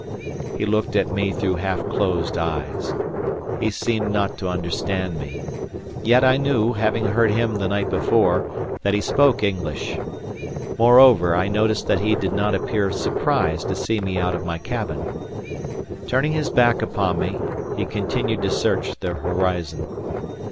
He looked at me through half closed eyes. He seemed not to understand me. Yet I knew, having heard him the night before, that he spoke English. Moreover, I noticed that he did not appear surprised to see me out of my cabin. Turning his back upon me, he continued to search the horizon.